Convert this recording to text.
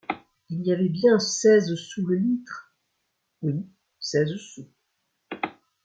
Il y avait bien seize sous le litre ? oui, seize sous !